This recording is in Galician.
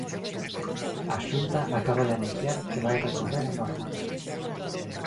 A Xunta acaba de anunciar que vai recorrer a norma.